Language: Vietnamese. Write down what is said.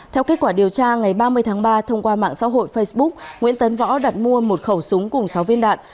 theo kết quả điều tra ngày ba mươi tháng ba thông qua mạng xã hội facebook nguyễn tấn võ đặt mua một khẩu súng cùng sáu viên đạn